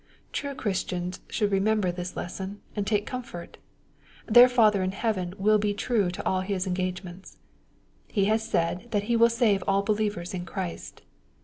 — True Christians should remember this lesson, and take comfort. Their Father in heaven will be true to all His engage . ments. He has said, that He will save all believers in Christ.